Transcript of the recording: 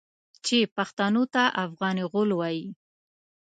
چې پښتنو ته افغان غول وايي.